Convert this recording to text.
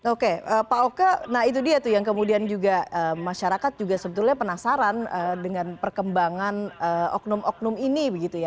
oke pak oke nah itu dia tuh yang kemudian juga masyarakat juga sebetulnya penasaran dengan perkembangan oknum oknum ini begitu ya